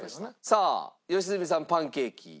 さあ良純さんパンケーキ。